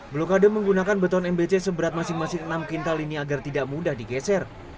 blokade menggunakan beton mbc seberat masing masing enam kintal ini agar tidak mudah digeser